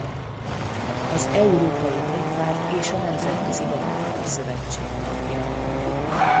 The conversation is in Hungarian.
Az Európai Néppárt és a Nemzetközi Demokrata Szövetség tagja.